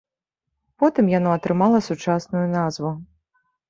Потым яно атрымала сучасную назву.